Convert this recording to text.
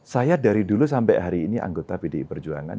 saya dari dulu sampai hari ini anggota pdi perjuangan